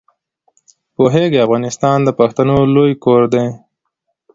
پوهېږې افغانستان د پښتنو لوی کور دی.